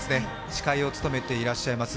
司会を務めていらっしゃいます